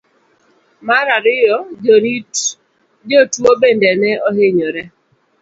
mar ariyo. jorit jotuwo bende ne ohinyore